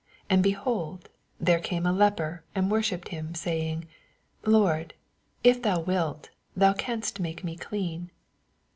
2 And. behold, there came a leper and worsnipped him, saying, Lord, if thoa wilt, tnou canst make me clean.